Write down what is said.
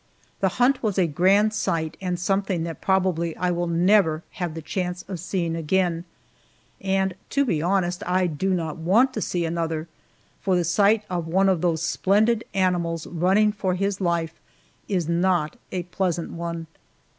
The hunt was a grand sight, and something that probably I will never have a chance of seeing again and, to be honest, I do not want to see another, for the sight of one of those splendid animals running for his life is not a pleasant one.